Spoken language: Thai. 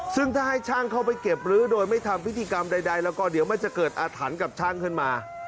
ซึ่งถ้าให้ช่างเข้าไปเก็บรื้อโดยไม่ทำพิธีกรรมใดแล้วก็เดี๋ยวมันจะเกิดอาถรรพ์กับช่างขึ้นมา